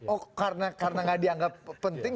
oh karena nggak dianggap penting